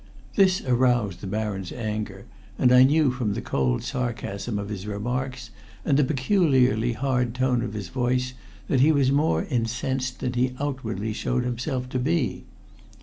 This aroused the Baron's anger, and I knew from the cold sarcasm of his remarks, and the peculiarly hard tone of his voice, that he was more incensed than he outwardly showed himself to be.